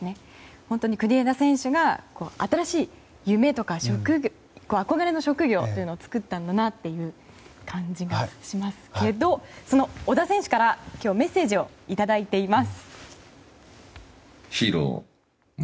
本当に国枝選手が新しい夢とか、憧れの職業を作ったんだなという感じがしますけどその小田選手からメッセージをいただいています。